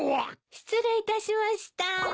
失礼いたしました。